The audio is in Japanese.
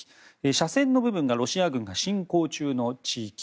斜線の部分がロシア軍が侵攻中の地域。